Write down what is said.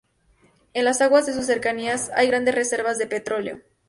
En las aguas de sus cercanías hay grandes reservas de petróleo.